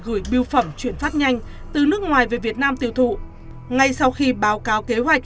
gửi biêu phẩm chuyển phát nhanh từ nước ngoài về việt nam tiêu thụ ngay sau khi báo cáo kế hoạch